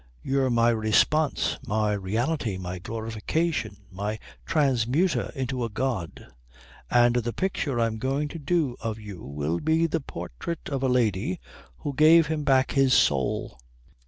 You're my response, my reality, my glorification, my transmuter into a god. And the picture I'm going to do of you will be the Portrait of a Lady who gave him back his Soul."